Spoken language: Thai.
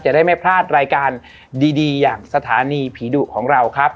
ได้ไม่พลาดรายการดีอย่างสถานีผีดุของเราครับ